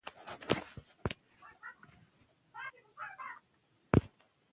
کور کې پخه شوې ډوډۍ د بازار په شان سرګردان نه کوي.